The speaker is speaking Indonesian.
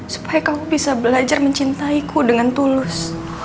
supaya kamu bisa belajar mencintaiku dengan tulus